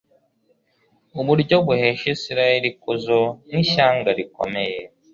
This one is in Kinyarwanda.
uburyo buhesha isirayeli ikuzo nk' ishyanga rikomeye